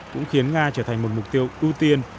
cũng khiến nga trở thành một mục tiêu ưu tiên